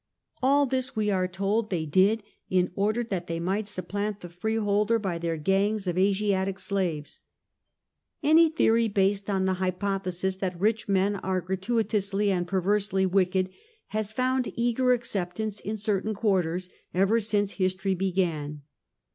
All this, we are told, they did in order that they might supplant the freeholder by their gangs of Asiatic slaves. Any theory based on the hypothesis that rich men are gratuitously and perversely wicked has found eager acceptance in certain quarters ever since history began.